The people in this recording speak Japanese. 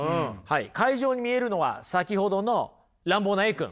海上に見えるのは先ほどの乱暴なＡ君。